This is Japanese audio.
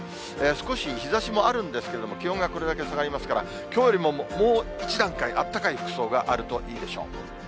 少し日ざしもあるんですけれども、気温がこれだけ下がりますから、きょうよりももう１段階、あったかい服装があるといいでしょう。